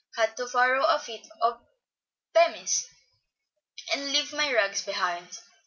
Had to borrow a fit out of Bemis, and leave my rags behind.